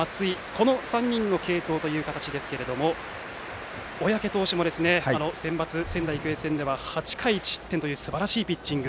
この３人の継投という形ですが小宅投手もセンバツの仙台育英戦では８回１失点というすばらしいピッチング。